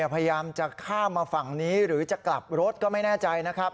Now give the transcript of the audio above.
พยายามจะข้ามมาฝั่งนี้หรือจะกลับรถก็ไม่แน่ใจนะครับ